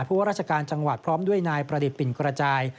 ว่าราชการจังหวัดพร้อมด้วยนายประดิษฐ์ปิ่นกระจาย